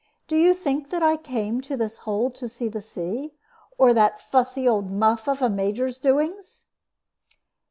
Do you think that I came to this hole to see the sea? Or that fussy old muff of a Major's doings?"